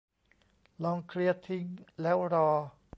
ลองเคลียร์ทิ้งแล้วรอ